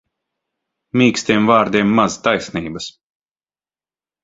Mīkstiem vārdiem maz taisnības.